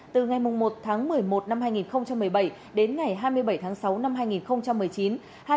từ ngày một tháng một mươi một năm hai nghìn một mươi bảy đến ngày hai mươi bảy tháng sáu năm hai nghìn một mươi chín